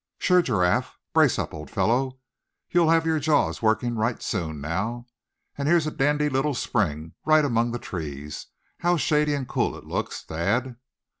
"Sure, Giraffe. Brace up old fellow. You'll have your jaws working right soon, now. And here's a dandy little spring, right among the trees! How shady and cool it looks, Thad."